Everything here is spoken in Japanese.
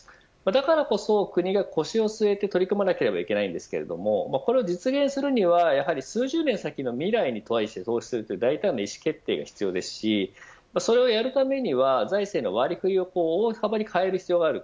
だからこそ国が腰を据えて取り組まなければいけないんですけど実現するには数十年先の未来に対して投資するという大胆な意思決定が必要ですしそれをやるためには財政の割り振りを大幅に変える必要がある。